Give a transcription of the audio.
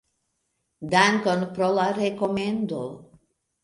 Dankon pro la rekomendo.